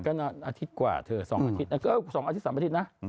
ก็นอนอาทิตย์กว่าเท้อ๒๓อาทิตย์นะ